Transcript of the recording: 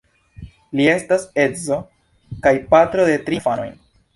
Li estas edzo kaj patro de tri infanoj.